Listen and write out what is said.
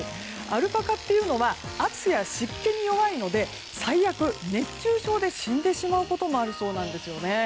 アルパカっていうのは暑さや湿気に弱いので最悪、熱中症で死んでしまうこともあるそうなんですよね。